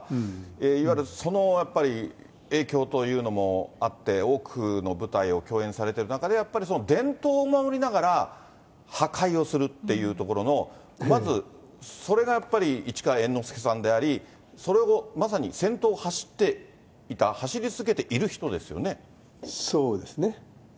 いわゆるそのやっぱり影響というのもあって、多くの舞台を共演されてる中で、やっぱり伝統を守りながら、破壊をするっていうところの、まずそれがやっぱり、市川猿之助さんであり、それをまさに先頭を走ってそうですね。